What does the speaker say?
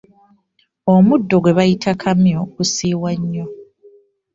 Omuddo gwe bayita kamyu gusiiwa nnyo.